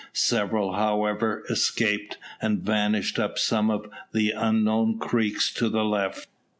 Several, however, escaped, and vanished up some of the unknown creeks to the left.